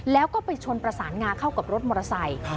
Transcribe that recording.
แล้วก็ไปชนประสานงาเข้ากับรถมอเตอร์ไซค์